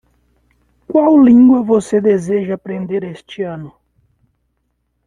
Qual língua você deseja aprender este ano?